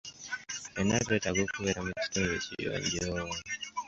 Ffenna twetaaga okubeera mu kitundu ekiyonjo.